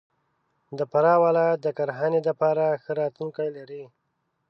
د فراه ولایت د کرهنې دپاره ښه راتلونکی لري.